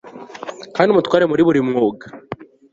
kandi umutware muri buri mwuga